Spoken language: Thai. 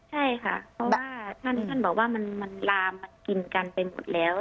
ใช่ค่ะเพราะว่าท่านที่ท่านบอกว่ามันลามมันกินกันไปหมดแล้ว